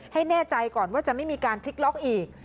ให้แน่ใจก่อนว่าจะไม่มีการพลิกล็อกอีก